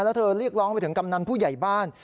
แล้วเธอเรียกร้องไปถึงกำนันผู้ใหญ่บ้าน